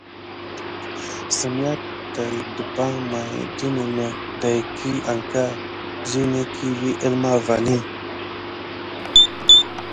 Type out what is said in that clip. Semyà tàt ɗəpakɑŋ may də ninek dayki anka zuneki vi əlma vani.